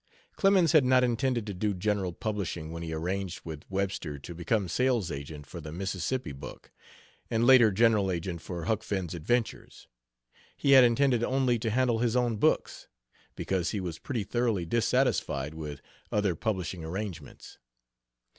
Clemens had not intended to do general publishing when he arranged with Webster to become sales agent for the Mississippi book, and later general agent for Huck Finn's adventures; he had intended only to handle his own books, because he was pretty thoroughly dissatisfied with other publishing arrangements.